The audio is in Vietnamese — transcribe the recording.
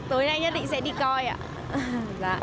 tối nay nhất định sẽ đi coi ạ